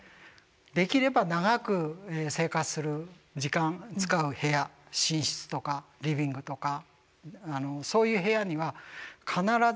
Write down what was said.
できれば長く生活する時間使う部屋寝室とかリビングとかそういう部屋には必ずここへ逃げ込めばいいんだと。